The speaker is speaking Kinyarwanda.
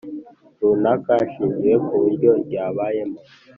runaka hashingirwa ku buryo ryabayemo